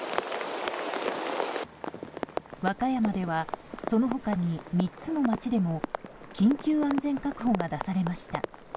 和歌山ではその他に３つの町でも緊急安全確保が出されました。